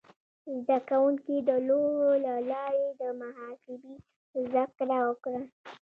زده کوونکي د لوحو له لارې د محاسبې زده کړه وکړه.